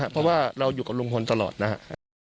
ทอดฐานก็ฟังว่าเราอยู่กับลุงพลตลอดนะฮะ